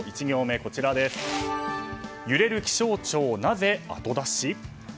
１行目、揺れる気象庁なぜ後出し？